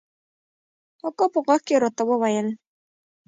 اکا په غوږ کښې راته وويل.